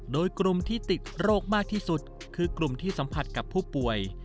โดยกลุ่มที่ติดโรคมากที่สุดคือกลุ่มที่สัมผัสกับผู้ป่วย